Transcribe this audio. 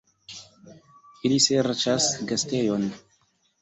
Ili serĉas gastejon!